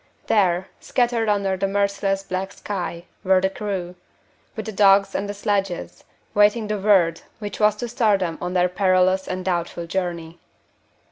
There, scattered under the merciless black sky, were the crew, with the dogs and the sledges, waiting the word which was to start them on their perilous and doubtful journey.